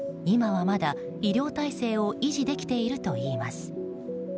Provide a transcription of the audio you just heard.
今はまだ医療体制を維持できているといいます。